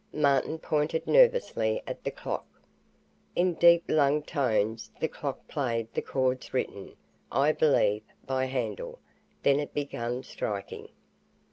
Martin pointed nervously at the clock. In deep lunged tones the clock played the chords written, I believe, by Handel. Then it began striking.